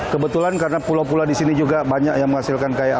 kebetulan karena pulau pulau di sini juga banyak yang menghasilkan kayak